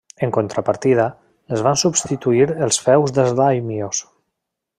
En contrapartida, les van substituir els feus dels dàimios.